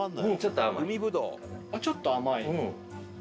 ちょっと甘い？